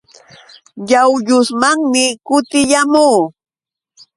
Yawyusmanmi kutiyaamuu.